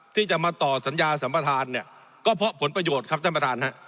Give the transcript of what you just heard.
ที่จะมาต่อสัญญาสัมประธานเนี่ยก็เพราะผลประโยชน์ครับท่านประธานฮะ